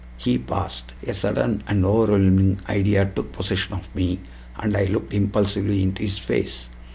He paused. A sudden and overwhelming idea took possession of me, and I looked impulsively into his face.